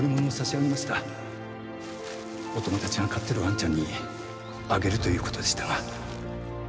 お友達が飼ってるワンちゃんにあげるという事でしたが。